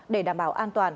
để đảm bảo an toàn